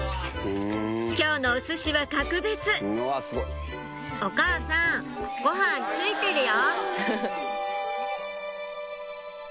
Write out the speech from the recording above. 今日のおすしは格別「お母さんご飯ついてるよ」